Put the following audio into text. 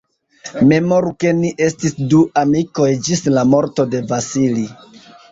Memoru, ke ni estis du amikoj ĝis la morto de Vasili.